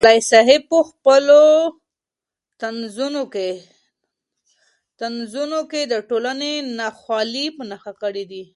پسرلي صاحب په خپلو طنزونو کې د ټولنې ناخوالې په نښه کړې دي.